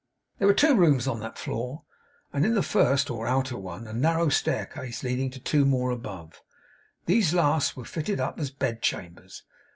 There were two rooms on that floor; and in the first or outer one a narrow staircase, leading to two more above. These last were fitted up as bed chambers.